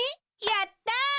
やった！